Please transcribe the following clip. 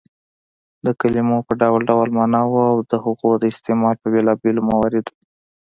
د کلیمو په ډول ډول ماناوو او د هغو د استعمال په بېلابيلو مواردو